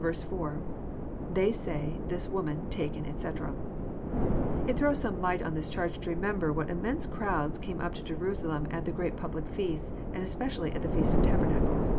4. —[ They say.^this woman,.. taken.., etc.'] It throws some light on this charge to remember what immense crowds came up to Jeru salem at the great public feasts, and especially at the feast of tabernacles.